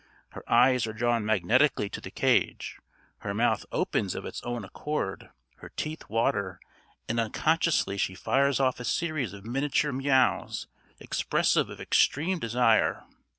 _ Her eyes are drawn magnetically to the cage, her mouth opens of its own accord, her teeth water, and unconsciously she fires off a series of miniature mews, expressive of extreme desire.